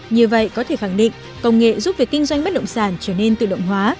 như vậy có thể khẳng định công nghệ giúp việc kinh doanh bất động sản trở nên tự động hóa